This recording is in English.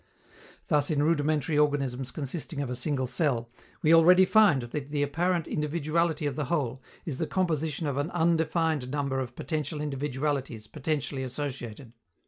Thus, in rudimentary organisms consisting of a single cell, we already find that the apparent individuality of the whole is the composition of an undefined number of potential individualities potentially associated.